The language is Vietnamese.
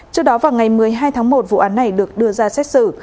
trước đó vào ngày một mươi hai tháng một vụ án này được đưa ra xét xử